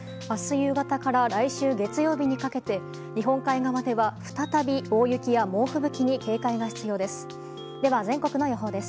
夕方から来週月曜日にかけて日本海側では、再び大雪や猛吹雪に警戒が必要です。